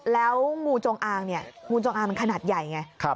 แล้วงูจงอางเนี่ยงูจงอางมันขนาดใหญ่ไง